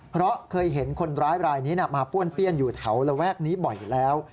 เพราะเคยเห็นคนร้ายรายนี้มาป้วนเปี้ยนอยู่แถวระแวกนี้บ่อยแล้ว